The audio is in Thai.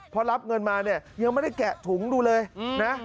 พอรับเงินมาเนี่ยยังไม่ได้แกะถุงดูเลยนะ